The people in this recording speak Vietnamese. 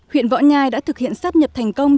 huyện võ nhai đã thực hiện sắp nhập thành công